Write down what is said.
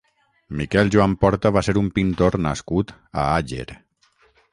Miquel Joan Porta va ser un pintor nascut a Àger.